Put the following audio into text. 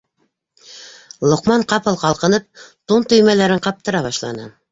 - Лоҡман, ҡапыл ҡалҡынып, тун төймәләрен ҡаптыра башланы: